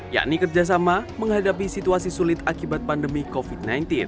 yakni kerjasama menghadapi situasi sulit akibat pandemi covid sembilan belas